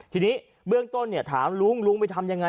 ทีนี้เบื้องต้นถามลุงลุงไปทำยังไง